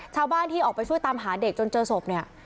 ชาวบ้านที่ออกไปช่วยตามหาเด็กจนเจอศพเนี่ย